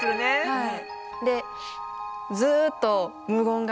はい。